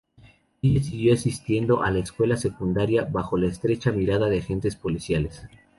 Ella siguió asistiendo a la escuela secundaria bajo la estrecha mirada de agentes policiales.